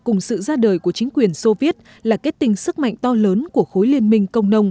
cùng sự ra đời của chính quyền soviet là kết tinh sức mạnh to lớn của khối liên minh công nông